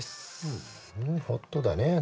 ふんホットだねえ